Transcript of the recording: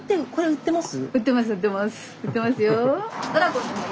売ってますよ。